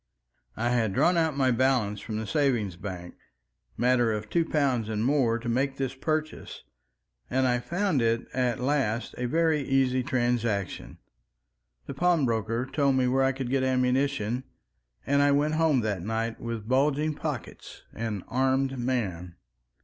I had drawn out my balance from the savings bank, matter of two pounds and more, to make this purchase, and I found it at last a very easy transaction. The pawnbroker told me where I could get ammunition, and I went home that night with bulging pockets, an armed man.